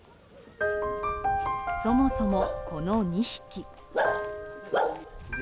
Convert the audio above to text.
そもそも、この２匹。